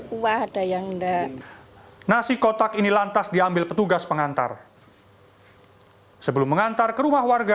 wah ada yang enggak nasi kotak ini lantas diambil petugas pengantar sebelum mengantar ke rumah warga